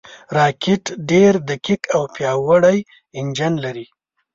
راکټ ډېر دقیق او پیاوړی انجن لري